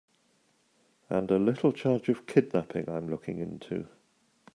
And a little charge of kidnapping I'm looking into.